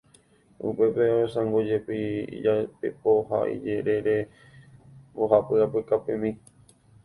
upépe osãingójepi ijapepo ha ijerére mbohapy apykapemi.